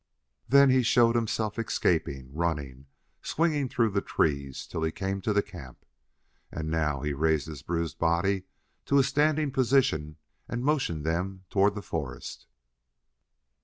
Then he showed himself escaping, running, swinging through trees, till he came to the camp. And now he raised his bruised body to a standing position and motioned them toward the forest.